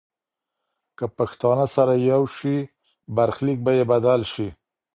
که پښتانه سره یو شي، برخلیک به یې بدل شي.